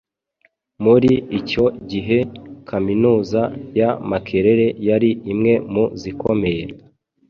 Muri icyo gihe Kaminuza ya Makerere yari imwe mu zikomeye